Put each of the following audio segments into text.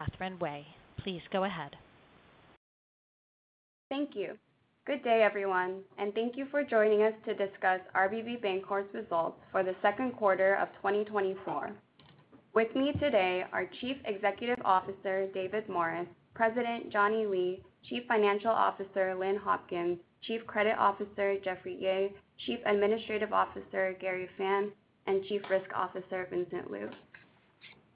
Catherine Wei. Please go ahead. Thank you. Good day, everyone, and thank you for joining us to discuss RBB Bancorp's results for the Second Quarter of 2024. With me today are Chief Executive Officer David Morris, President Johnny Lee, Chief Financial Officer Lynn Hopkins, Chief Credit Officer Jeffrey Yeh, Chief Administrative Officer Gary Fan, and Chief Risk Officer Vincent Liu.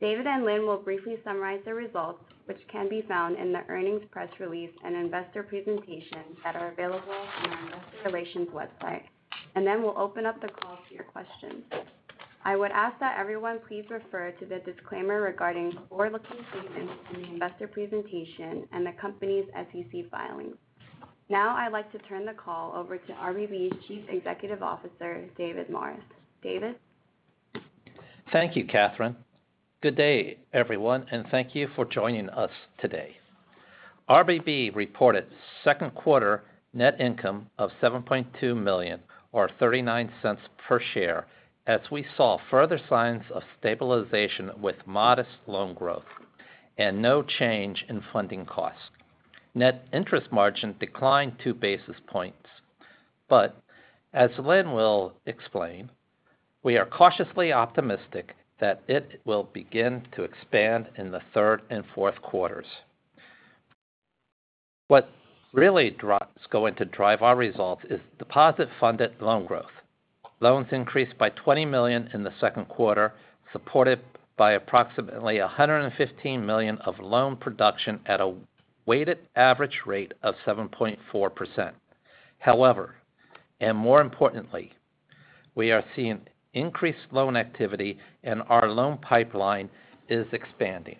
David and Lynn will briefly summarize the results, which can be found in the earnings press release and investor presentation that are available on our Investor Relations website, and then we'll open up the call to your questions. I would ask that everyone please refer to the disclaimer regarding forward-looking statements in the investor presentation and the company's SEC filings. Now, I'd like to turn the call over to RBB's Chief Executive Officer, David Morris. David. Thank you, Catherine. Good day, everyone, and thank you for joining us today. RBB reported second quarter net income of $7.2 million, or $0.39 per share, as we saw further signs of stabilization with modest loan growth and no change in funding costs. Net interest margin declined two basis points. As Lynn will explain, we are cautiously optimistic that it will begin to expand in the third and fourth quarters. What really is going to drive our results is deposit-funded loan growth. Loans increased by $20 million in the second quarter, supported by approximately $115 million of loan production at a weighted average rate of 7.4%. However, and more importantly, we are seeing increased loan activity, and our loan pipeline is expanding,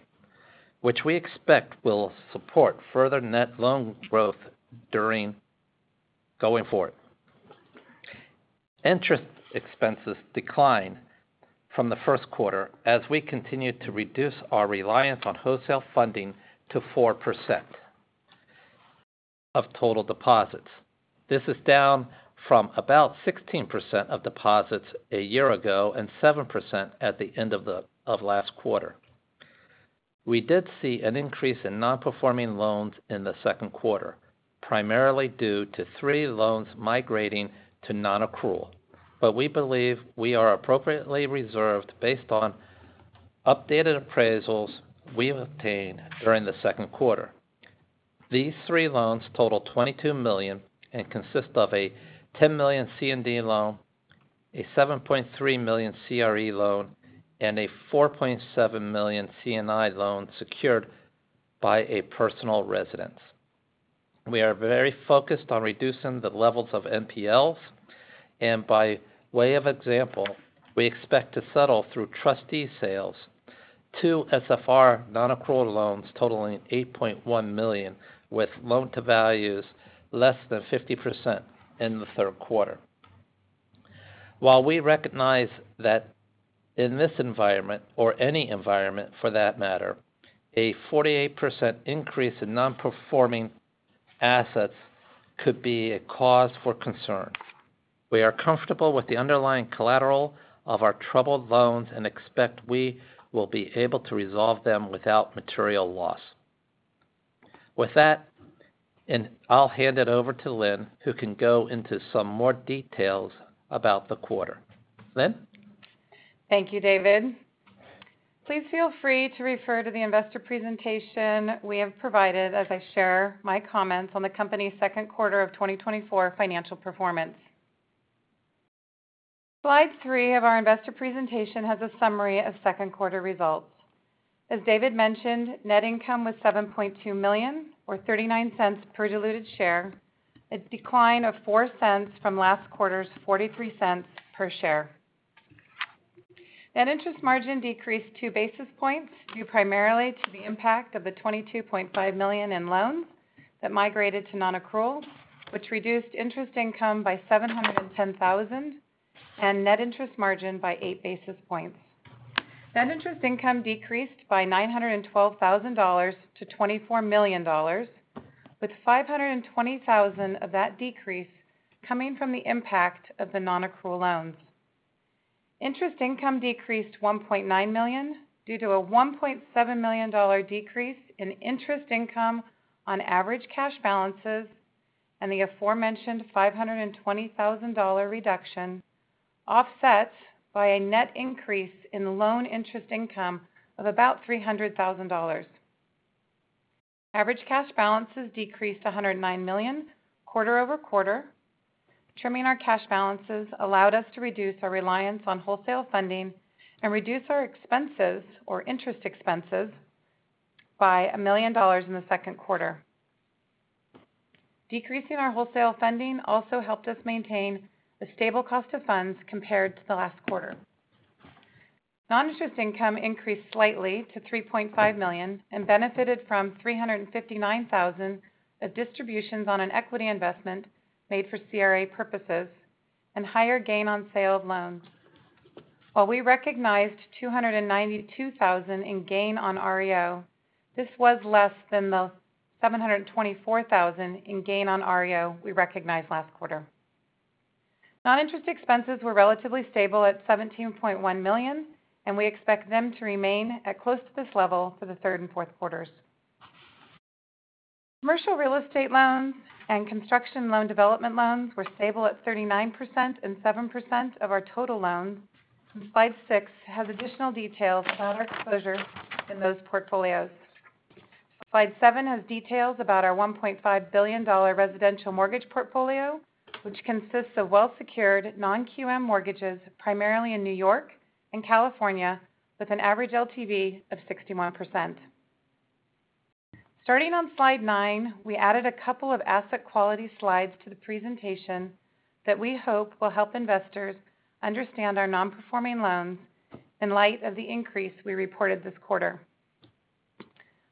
which we expect will support further net loan growth going forward. Interest expenses declined from the first quarter as we continued to reduce our reliance on wholesale funding to 4% of total deposits. This is down from about 16% of deposits a year ago and 7% at the end of last quarter. We did see an increase in non-performing loans in the second quarter, primarily due to three loans migrating to non-accrual, but we believe we are appropriately reserved based on updated appraisals we obtained during the second quarter. These three loans total $22 million and consist of a $10 million C&D loan, a $7.3 million CRE loan, and a $4.7 million C&I loan secured by a personal residence. We are very focused on reducing the levels of NPLs, and by way of example, we expect to settle through trustee sales two SFR non-accrual loans totaling $8.1 million, with loan-to-values less than 50% in the third quarter. While we recognize that in this environment, or any environment for that matter, a 48% increase in non-performing assets could be a cause for concern, we are comfortable with the underlying collateral of our troubled loans and expect we will be able to resolve them without material loss. With that, I'll hand it over to Lynn, who can go into some more details about the quarter. Lynn? Thank you, David. Please feel free to refer to the investor presentation we have provided as I share my comments on the company's second quarter of 2024 financial performance. Slide three of our investor presentation has a summary of second quarter results. As David mentioned, net income was $7.2 million, or $0.39 per diluted share, a decline of $0.04 from last quarter's $0.43 per share. Net interest margin decreased two basis points due primarily to the impact of the $22.5 million in loans that migrated to non-accrual, which reduced interest income by $710,000 and net interest margin by eight basis points. Net interest income decreased by $912,000 to $24 million, with $520,000 of that decrease coming from the impact of the non-accrual loans. Interest income decreased $1.9 million due to a $1.7 million decrease in interest income on average cash balances and the aforementioned $520,000 reduction, offset by a net increase in loan interest income of about $300,000. Average cash balances decreased $109 million quarter-over-quarter. Trimming our cash balances allowed us to reduce our reliance on wholesale funding and reduce our expenses, or interest expenses, by $1 million in the second quarter. Decreasing our wholesale funding also helped us maintain a stable cost of funds compared to the last quarter. Non-interest income increased slightly to $3.5 million and benefited from $359,000 of distributions on an equity investment made for CRA purposes and higher gain on sale of loans. While we recognized $292,000 in gain on REO, this was less than the $724,000 in gain on REO we recognized last quarter. Non-interest expenses were relatively stable at $17.1 million, and we expect them to remain at close to this level for the third and fourth quarters. Commercial real estate loans and construction and development loans were stable at 39% and 7% of our total loans. Slide six has additional details about our exposure in those portfolios. Slide seven has details about our $1.5 billion residential mortgage portfolio, which consists of well-secured non-QM mortgages primarily in New York and California, with an average LTV of 61%. Starting on slide nine, we added a couple of asset quality slides to the presentation that we hope will help investors understand our non-performing loans in light of the increase we reported this quarter.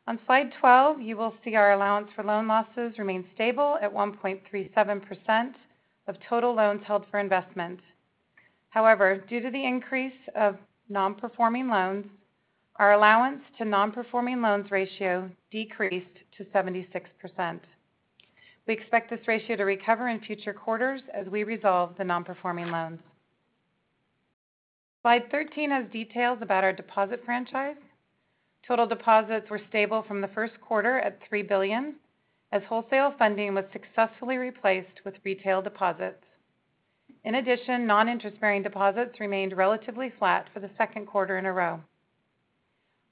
On slide 12, you will see our allowance for loan losses remain stable at 1.37% of total loans held for investment. However, due to the increase of non-performing loans, our allowance to non-performing loans ratio decreased to 76%. We expect this ratio to recover in future quarters as we resolve the non-performing loans. Slide 13 has details about our deposit franchise. Total deposits were stable from the first quarter at $3 billion, as wholesale funding was successfully replaced with retail deposits. In addition, non-interest-bearing deposits remained relatively flat for the second quarter in a row.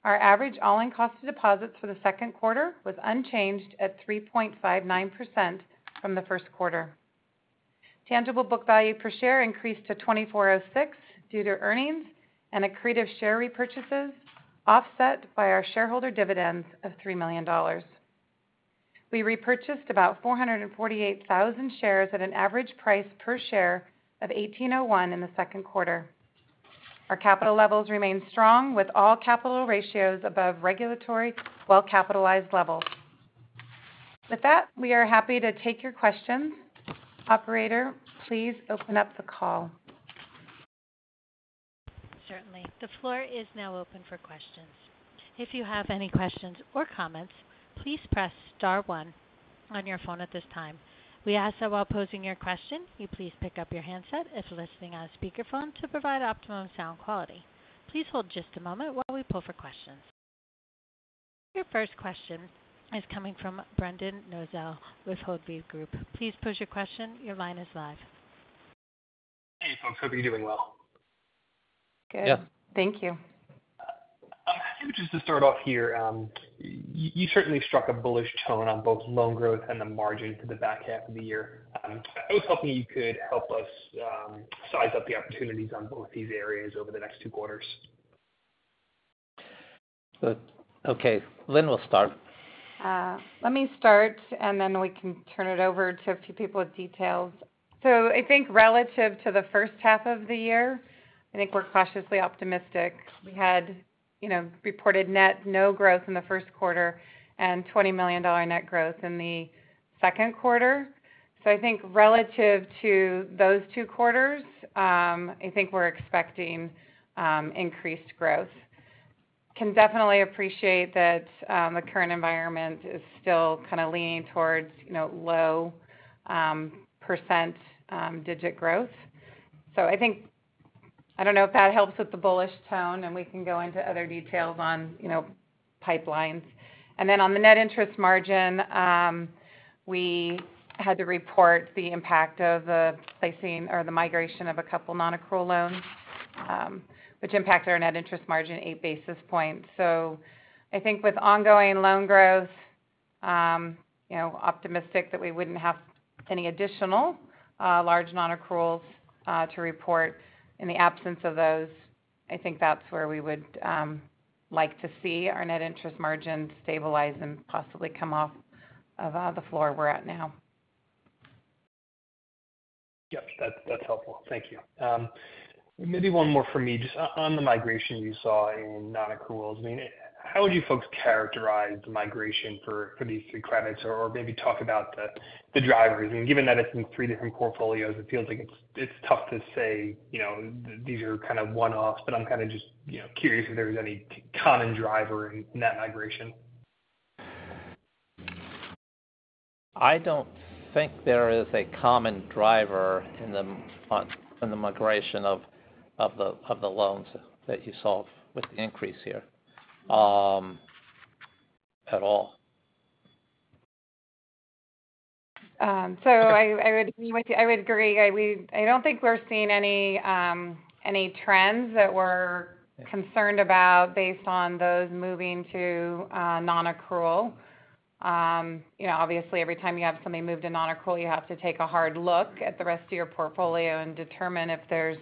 Our average all-in cost of deposits for the second quarter was unchanged at 3.59% from the first quarter. Tangible book value per share increased to $2,406 due to earnings and accretive share repurchases, offset by our shareholder dividends of $3 million. We repurchased about 448,000 shares at an average price per share of $1,801 in the second quarter. Our capital levels remained strong, with all capital ratios above regulatory well-capitalized levels. With that, we are happy to take your questions. Operator, please open up the call. Certainly. The floor is now open for questions. If you have any questions or comments, please press star one on your phone at this time. We ask that while posing your question, you please pick up your handset if listening on a speakerphone to provide optimum sound quality. Please hold just a moment while we pull for questions. Your first question is coming from Brendan Nosal with Hovde Group. Please pose your question. Your line is live. Hey, folks. Hope you're doing well. Good. Yes. Thank you. I would just to start off here, you certainly struck a bullish tone on both loan growth and the margin for the back half of the year. I was hoping you could help us size up the opportunities on both these areas over the next two quarters. Okay. Lynn will start. Let me start, and then we can turn it over to a few people with details. So I think relative to the first half of the year, I think we're cautiously optimistic. We had reported net zero growth in the first quarter and $20 million net growth in the second quarter. So I think relative to those two quarters, I think we're expecting increased growth. Can definitely appreciate that the current environment is still kind of leaning towards low single-digit growth. So I think I don't know if that helps with the bullish tone, and we can go into other details on pipelines. And then on the net interest margin, we had to report the impact of the placing or the migration of a couple non-accrual loans, which impacted our net interest margin 8 basis points. I think with ongoing loan growth, optimistic that we wouldn't have any additional large non-accruals to report. In the absence of those, I think that's where we would like to see our net interest margin stabilize and possibly come off of the floor we're at now. Yep. That's helpful. Thank you. Maybe one more from me. Just on the migration you saw in non-accruals, I mean, how would you folks characterize the migration for these three credits or maybe talk about the drivers? I mean, given that it's in three different portfolios, it feels like it's tough to say these are kind of one-offs, but I'm kind of just curious if there's any common driver in that migration. I don't think there is a common driver in the migration of the loans that you saw with the increase here at all. I would agree. I don't think we're seeing any trends that we're concerned about based on those moving to non-accrual. Obviously, every time you have something moved to non-accrual, you have to take a hard look at the rest of your portfolio and determine if there's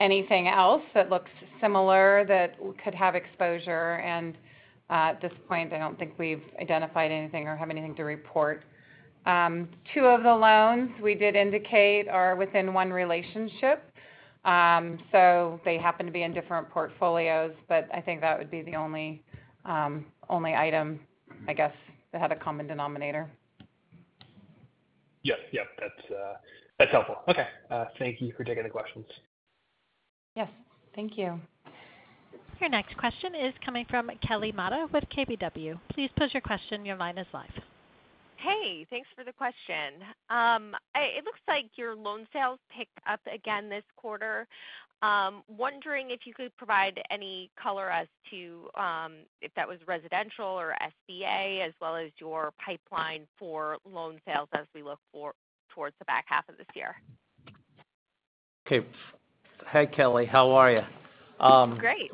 anything else that looks similar that could have exposure. And at this point, I don't think we've identified anything or have anything to report. Two of the loans we did indicate are within one relationship, so they happen to be in different portfolios, but I think that would be the only item, I guess, that had a common denominator. Yep. Yep. That's helpful. Okay. Thank you for taking the questions. Yes. Thank you. Your next question is coming from Kelly Motta with KBW. Please pose your question. Your line is live. Hey. Thanks for the question. It looks like your loan sales pick up again this quarter. Wondering if you could provide any color as to if that was residential or SBA, as well as your pipeline for loan sales as we look towards the back half of this year? Okay. Hey, Kelly. How are you? Great.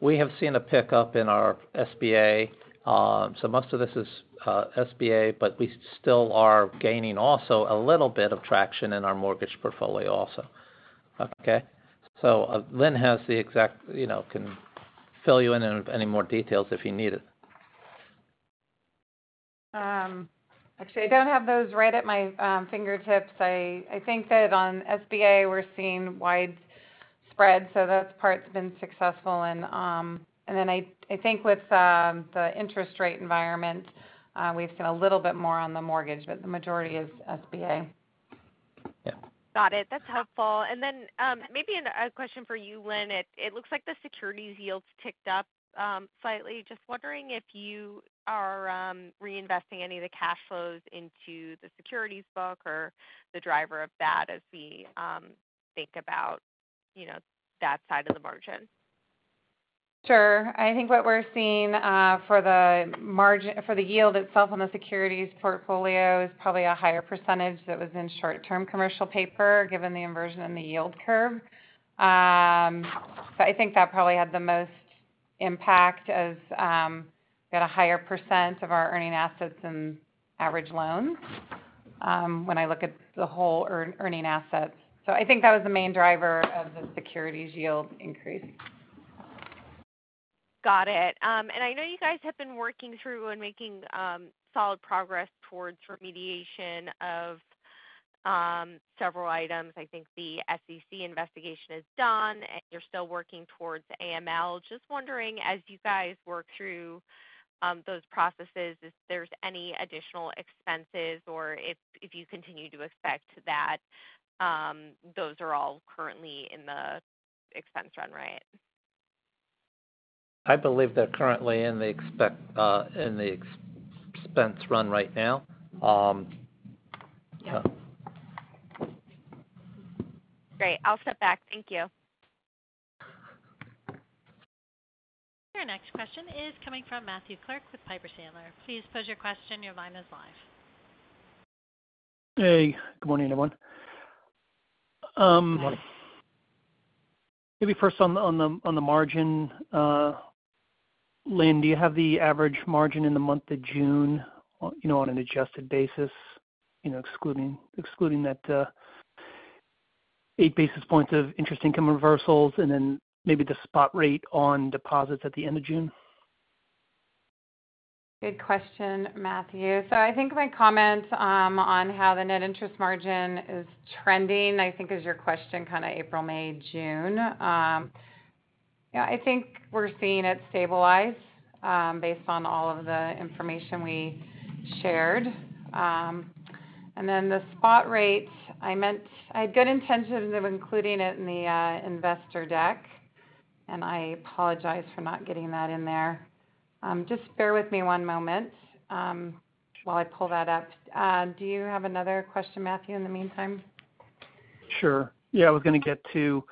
We have seen a pickup in our SBA. So most of this is SBA, but we still are gaining also a little bit of traction in our mortgage portfolio also. Okay? So Lynn has the exacts and can fill you in on any more details if you need it. Actually, I don't have those right at my fingertips. I think that on SBA, we're seeing wide spreads, so that part's been successful. Then I think with the interest rate environment, we've seen a little bit more on the mortgage, but the majority is SBA. Yeah. Got it. That's helpful. And then maybe a question for you, Lynn. It looks like the securities yields ticked up slightly. Just wondering if you are reinvesting any of the cash flows into the securities book or the driver of that as we think about that side of the margin. Sure. I think what we're seeing for the yield itself on the securities portfolio is probably a higher percentage that was in short-term commercial paper, given the inversion in the yield curve. So I think that probably had the most impact as we had a higher percent of our earning assets in average loans when I look at the whole earning assets. So I think that was the main driver of the securities yield increase. Got it. I know you guys have been working through and making solid progress towards remediation of several items. I think the SEC investigation is done, and you're still working towards AML. Just wondering, as you guys work through those processes, if there's any additional expenses or if you continue to expect that those are all currently in the expense run, right? I believe they're currently in the expense run right now. Great. I'll step back. Thank you. Your next question is coming from Matthew Clark with Piper Sandler. Please pose your question. Your line is live. Hey. Good morning, everyone. Good morning. Maybe first on the margin. Lynn, do you have the average margin in the month of June on an adjusted basis, excluding that 8 basis points of interest income reversals and then maybe the spot rate on deposits at the end of June? Good question, Matthew. So I think my comment on how the net interest margin is trending, I think, is your question kind of April, May, June. Yeah, I think we're seeing it stabilize based on all of the information we shared. And then the spot rate, I had good intentions of including it in the investor deck, and I apologize for not getting that in there. Just bear with me one moment while I pull that up. Do you have another question, Matthew, in the meantime? Sure. Yeah. I was going to get to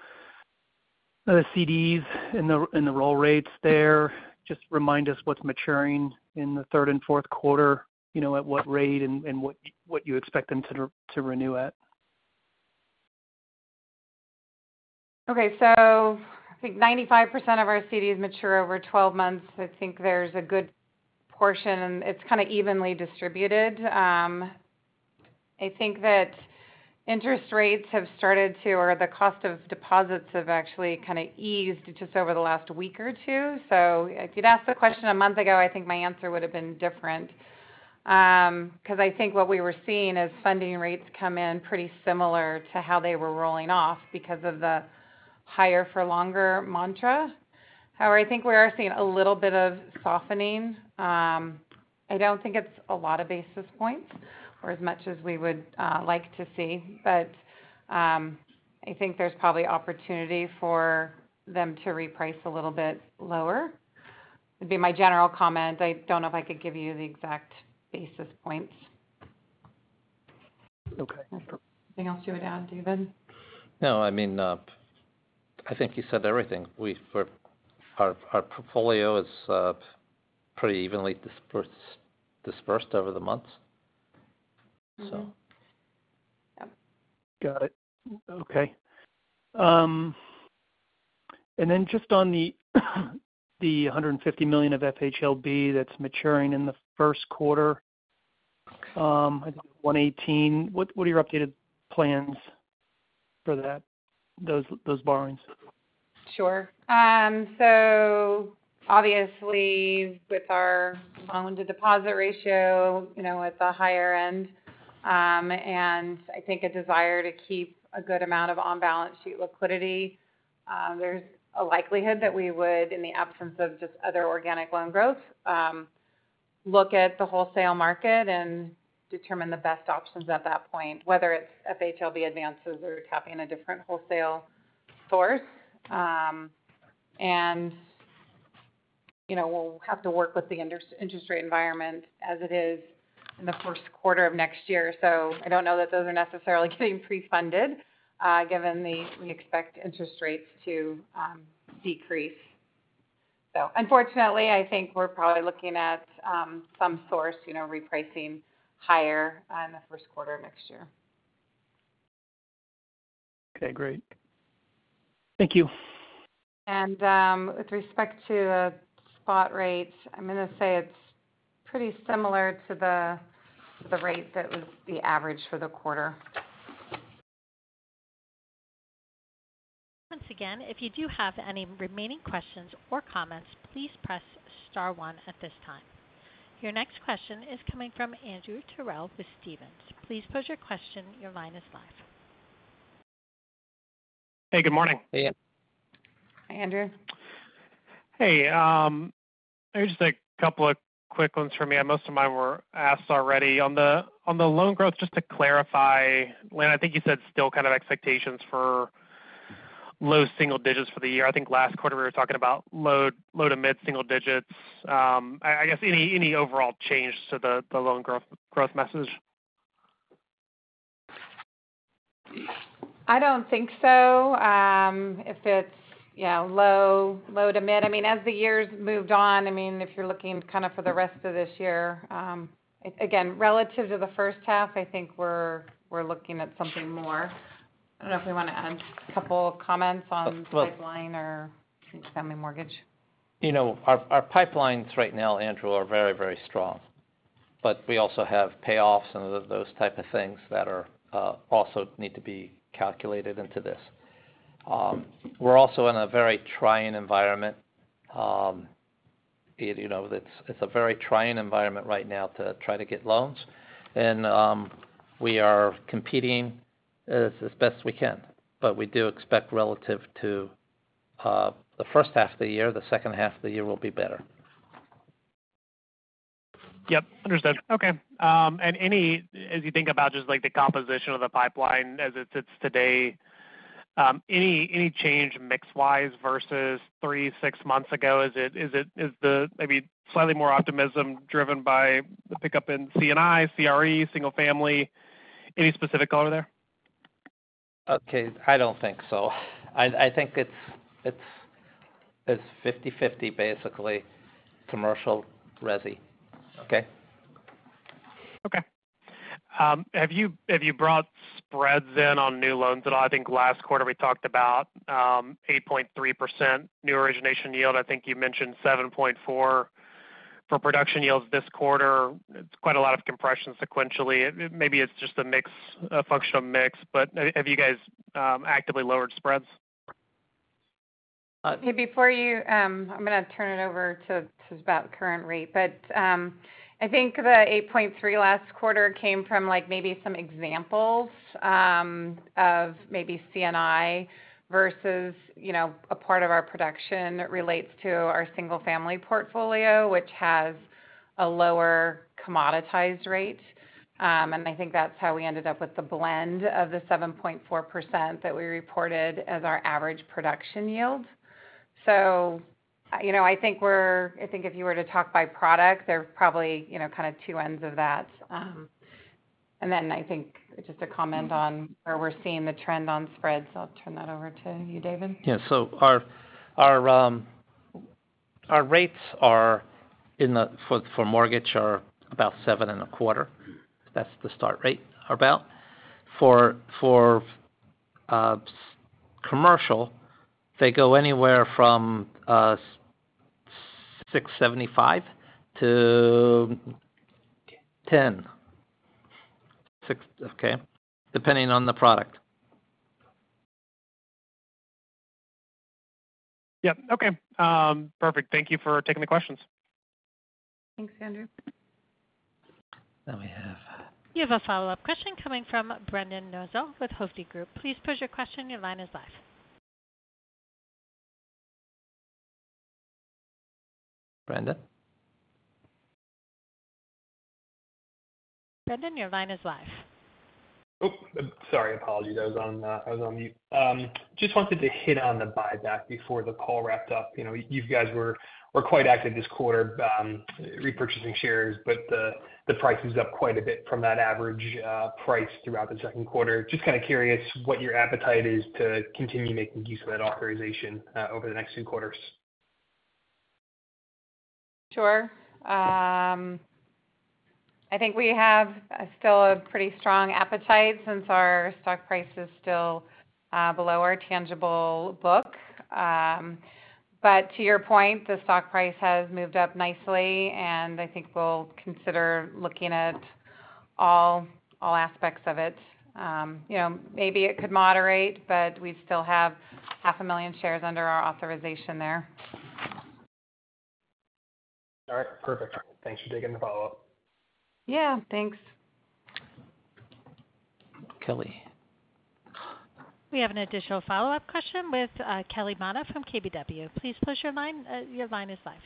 the CDs and the roll rates there. Just remind us what's maturing in the third and fourth quarter, at what rate, and what you expect them to renew at. Okay. So I think 95% of our CDs mature over 12 months. I think there's a good portion, and it's kind of evenly distributed. I think that interest rates have started to, or the cost of deposits have actually kind of eased just over the last week or two. So if you'd asked the question a month ago, I think my answer would have been different because I think what we were seeing is funding rates come in pretty similar to how they were rolling off because of the higher-for-longer mantra. However, I think we are seeing a little bit of softening. I don't think it's a lot of basis points or as much as we would like to see, but I think there's probably opportunity for them to reprice a little bit lower. It'd be my general comment. I don't know if I could give you the exact basis points. Okay. Anything else you would add, David? No. I mean, I think you said everything. Our portfolio is pretty evenly dispersed over the months, so. Got it. Okay. And then just on the $150 million of FHLB that's maturing in the first quarter, I think $118 million, what are your updated plans for those borrowings? Sure. So obviously, with our loan-to-deposit ratio at the higher end and I think a desire to keep a good amount of on-balance sheet liquidity, there's a likelihood that we would, in the absence of just other organic loan growth, look at the wholesale market and determine the best options at that point, whether it's FHLB advances or tapping a different wholesale source. And we'll have to work with the interest rate environment as it is in the first quarter of next year. So I don't know that those are necessarily getting pre-funded given we expect interest rates to decrease. So unfortunately, I think we're probably looking at some source repricing higher in the first quarter of next year. Okay. Great. Thank you. With respect to the spot rates, I'm going to say it's pretty similar to the rate that was the average for the quarter. Once again, if you do have any remaining questions or comments, please press star one at this time. Your next question is coming from Andrew Terrell with Stephens. Please pose your question. Your line is live. Hey. Good morning. Hey. Hi, Andrew. Hey. Just a couple of quick ones for me. Most of mine were asked already. On the loan growth, just to clarify, Lynn, I think you said still kind of expectations for low single digits for the year. I think last quarter, we were talking about low to mid single digits. I guess any overall change to the loan growth message? I don't think so. If it's low, low to mid. I mean, as the years moved on, I mean, if you're looking kind of for the rest of this year, again, relative to the first half, I think we're looking at something more. I don't know if we want to add a couple of comments on pipeline or family mortgage. Our pipelines right now, Andrew, are very, very strong, but we also have payoffs and those type of things that also need to be calculated into this. We're also in a very trying environment. It's a very trying environment right now to try to get loans. We are competing as best we can, but we do expect relative to the first half of the year, the second half of the year will be better. Yep. Understood. Okay. As you think about just the composition of the pipeline as it sits today, any change mix-wise versus three, six months ago? Is the maybe slightly more optimism driven by the pickup in C&I, CRE, single family? Any specific color there? Okay. I don't think so. I think it's 50/50, basically. Commercial, resi. Okay? Okay. Have you brought spreads in on new loans at all? I think last quarter, we talked about 8.3% new origination yield. I think you mentioned 7.4% for production yields this quarter. It's quite a lot of compression sequentially. Maybe it's just a function of mix. But have you guys actively lowered spreads? Okay. I'm going to turn it over to about current rate. But I think the 8.3% last quarter came from maybe some examples of maybe C&I versus a part of our production that relates to our single family portfolio, which has a lower commoditized rate. And I think that's how we ended up with the blend of the 7.4% that we reported as our average production yield. So I think if you were to talk by product, there are probably kind of two ends of that. And then I think just a comment on where we're seeing the trend on spreads. I'll turn that over to you, David. Yeah. So our rates for mortgage are about 7.25%. That's the start rate about. For commercial, they go anywhere from 6.75% to 10%. Okay? Depending on the product. Yep. Okay. Perfect. Thank you for taking the questions. Thanks, Andrew. Now we have. We have a follow-up question coming from Brendan Nosal with Hovde Group. Please pose your question. Your line is live. Brendan? Brendan, your line is live. Sorry. Apologies. I was on mute. Just wanted to hit on the buyback before the call wrapped up. You guys were quite active this quarter repurchasing shares, but the price is up quite a bit from that average price throughout the second quarter. Just kind of curious what your appetite is to continue making use of that authorization over the next two quarters. Sure. I think we have still a pretty strong appetite since our stock price is still below our tangible book. But to your point, the stock price has moved up nicely, and I think we'll consider looking at all aspects of it. Maybe it could moderate, but we still have 500,000 shares under our authorization there. All right. Perfect. Thanks for taking the follow-up. Yeah. Thanks. Kelly. We have an additional follow-up question with Kelly Motta from KBW. Please pose your line. Your line is live.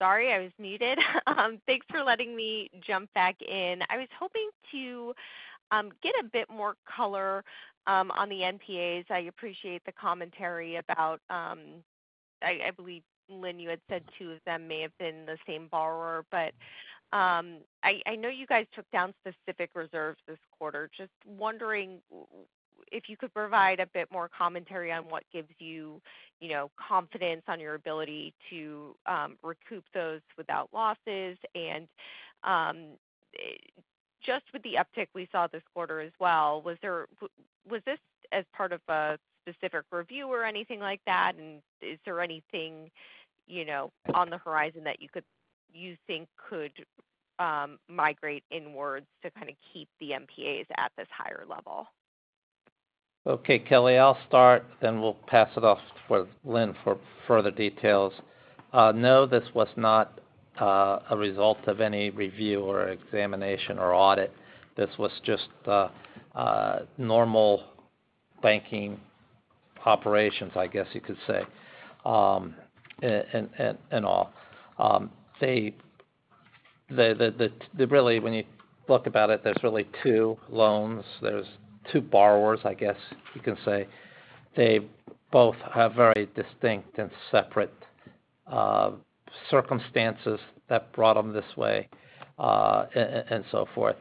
Sorry. I was muted. Thanks for letting me jump back in. I was hoping to get a bit more color on the NPAs. I appreciate the commentary about, I believe, Lynn, you had said two of them may have been the same borrower. But I know you guys took down specific reserves this quarter. Just wondering if you could provide a bit more commentary on what gives you confidence on your ability to recoup those without losses. And just with the uptick we saw this quarter as well, was this as part of a specific review or anything like that? And is there anything on the horizon that you think could migrate inwards to kind of keep the NPAs at this higher level? Okay. Kelly, I'll start, then we'll pass it off to Lynn for further details. No, this was not a result of any review or examination or audit. This was just normal banking operations, I guess you could say, and all. Really, when you look about it, there's really two loans. There's two borrowers, I guess you can say. They both have very distinct and separate circumstances that brought them this way and so forth.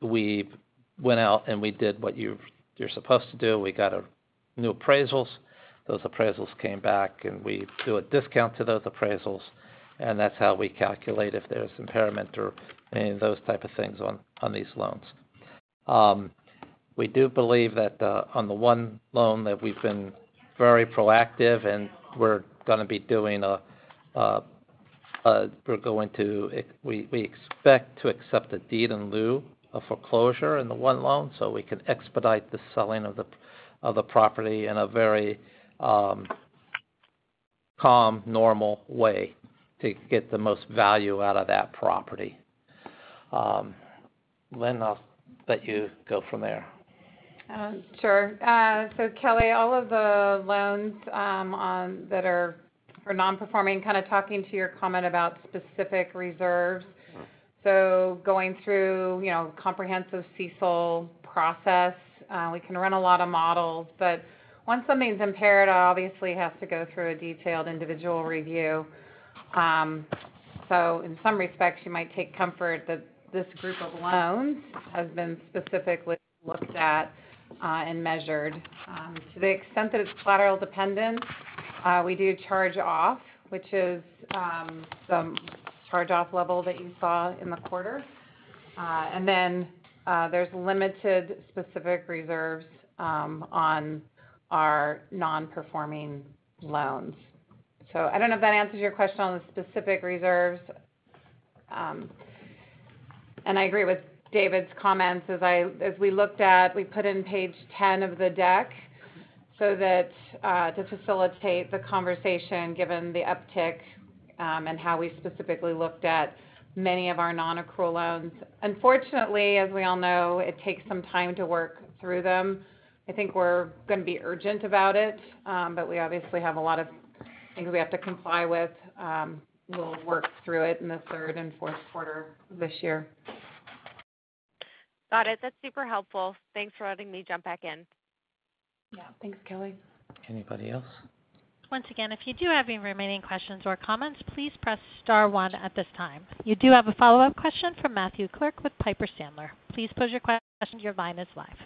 We went out and we did what you're supposed to do. We got new appraisals. Those appraisals came back, and we do a discount to those appraisals. And that's how we calculate if there's impairment or any of those type of things on these loans. We do believe that on the one loan that we've been very proactive, and we're going to expect to accept a deed in lieu, a foreclosure, in the one loan so we can expedite the selling of the property in a very calm, normal way to get the most value out of that property. Lynn, I'll let you go from there. Sure. So Kelly, all of the loans that are non-performing, kind of talking to your comment about specific reserves. So going through a comprehensive CECL process, we can run a lot of models. But once something's impaired, it obviously has to go through a detailed individual review. So in some respects, you might take comfort that this group of loans has been specifically looked at and measured. To the extent that it's collateral dependent, we do charge off, which is the charge off level that you saw in the quarter. And then there's limited specific reserves on our non-performing loans. So I don't know if that answers your question on the specific reserves. And I agree with David's comments. As we looked at, we put in page 10 of the deck to facilitate the conversation given the uptick and how we specifically looked at many of our non-accrual loans. Unfortunately, as we all know, it takes some time to work through them. I think we're going to be urgent about it, but we obviously have a lot of things we have to comply with. We'll work through it in the third and fourth quarter of this year. Got it. That's super helpful. Thanks for letting me jump back in. Yeah. Thanks, Kelly. Anybody else? Once again, if you do have any remaining questions or comments, please press star one at this time. You do have a follow-up question from Matthew Clark with Piper Sandler. Please pose your question. Your line is live.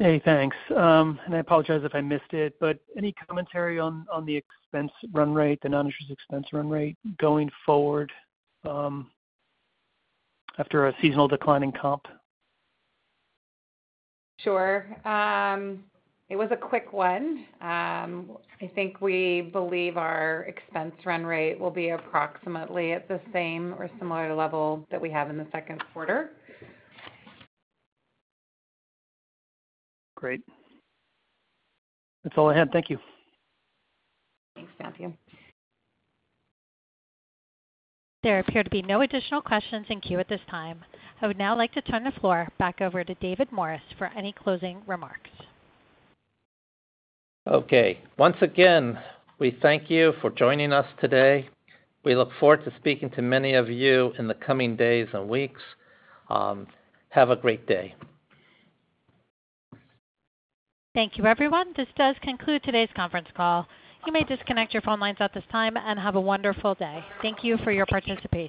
Hey. Thanks. I apologize if I missed it, but any commentary on the expense run rate, the non-interest expense run rate going forward after a seasonal declining comp? Sure. It was a quick one. I think we believe our expense run rate will be approximately at the same or similar level that we have in the second quarter. Great. That's all I had. Thank you. Thanks, Matthew. There appear to be no additional questions in queue at this time. I would now like to turn the floor back over to David Morris for any closing remarks. Okay. Once again, we thank you for joining us today. We look forward to speaking to many of you in the coming days and weeks. Have a great day. Thank you, everyone. This does conclude today's conference call. You may disconnect your phone lines at this time and have a wonderful day. Thank you for your participation.